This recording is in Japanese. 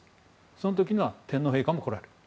その時には天皇陛下も来られている。